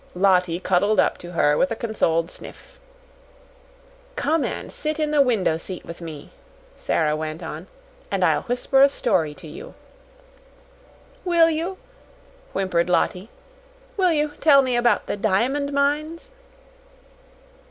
Lottie cuddled up to her with a consoled sniff. "Come and sit in the window seat with me," Sara went on, "and I'll whisper a story to you." "Will you?" whimpered Lottie. "Will you tell me about the diamond mines?"